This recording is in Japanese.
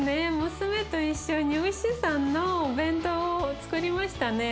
娘と一緒に牛さんのお弁当をつくりましたね。